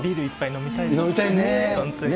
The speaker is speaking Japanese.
飲みたいね。